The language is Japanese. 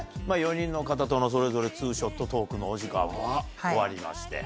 ４人の方とのツーショットトークのお時間も終わりまして